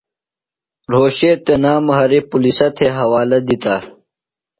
رھوشے تنام ہریۡ پُلِسہ تھےۡ حوالہ دِتہ۔